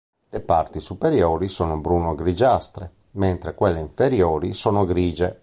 Le parti superiori sono bruno-grigiastre, mentre quelle inferiori sono grigie.